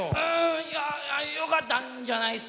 んいやよかったんじゃないっすか。